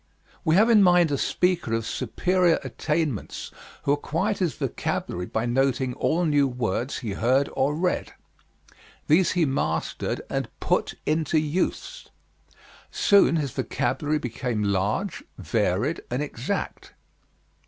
We have in mind a speaker of superior attainments who acquired his vocabulary by noting all new words he heard or read. These he mastered and put into use. Soon his vocabulary became large, varied, and exact.